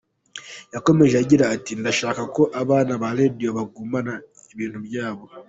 Yakomeje agira ati “Ndashaka ko abana ba Radio bagumana ibintu byabo.